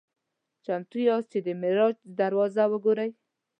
"چمتو یاست چې د معراج دروازه وګورئ؟"